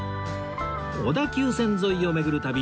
小田急線沿いを巡る旅